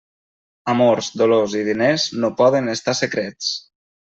Amors, dolors i diners no poden estar secrets.